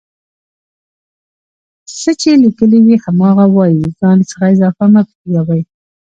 څه چې ليکلي وي هماغه وايئ ځان څخه اضافه مه پکې کوئ